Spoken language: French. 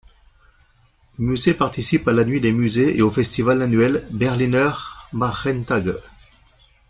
Le musée participe à la nuit des musées et au festival annuel Berliner Märchentage.